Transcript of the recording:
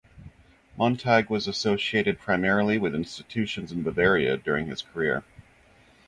Montag was associated primarily with institutions in Bavaria during his career.